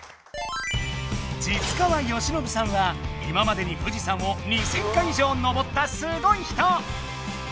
實川欣伸さんは今までに富士山を２，０００回以上登ったすごい人！